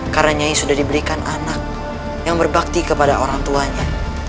karena nyai sudah diberikan anak yang berbakti kepada orang tuanya